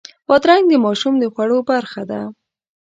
بادرنګ د ماشوم د خوړو برخه ده.